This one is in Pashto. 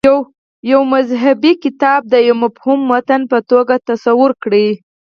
یو مذهبي کتاب د یوه مبهم متن په توګه تصور کړو.